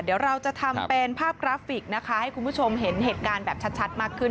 เดี๋ยวเราจะทำเป็นภาพกราฟิกนะคะให้คุณผู้ชมเห็นเหตุการณ์แบบชัดมากขึ้น